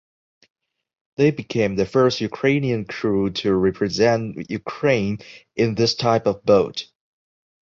They became the first Ukrainian crew to represent Ukraine in this type of boat.